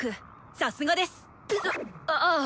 さすがです！んあぁ。